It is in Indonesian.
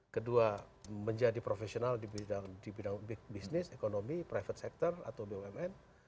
kedua menjadi profesional di bidang bisnis ekonomi private sector atau bumn